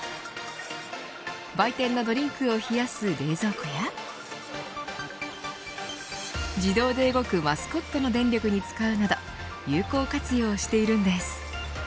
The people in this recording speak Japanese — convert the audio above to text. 売店のドリンクを冷やす冷蔵庫や自動で動くマスコットの電気に使うなど有効活用しているんです。